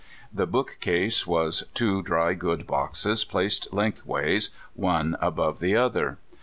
The book case was two dry goods boxes placed length wise, one above the other.